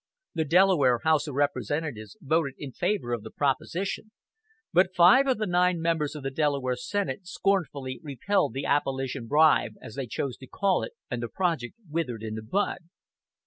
The Delaware House of Representatives voted in favor of the proposition, but five of the nine members of the Delaware senate scornfully repelled the "abolition bribe," as they chose to call it, and the project withered in the bud.